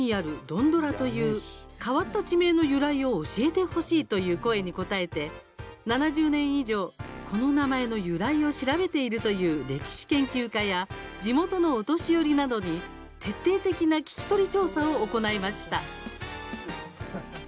土羅という変わった地名の由来を教えてほしいという声に応えて７０年以上この名前の由来を調べているという歴史研究家や地元のお年寄りなどに徹底的な聞き取り調査を行いました。